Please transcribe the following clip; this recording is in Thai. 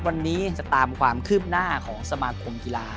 วันนี้จะตามความคืบหน้าของสมาคมกีฬา